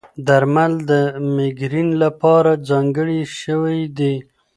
درمل د مېګرین لپاره ځانګړي شوي دي.